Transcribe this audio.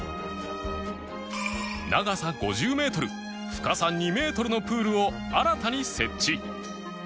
長さ５０メートル深さ２メートルのプールを新たに設置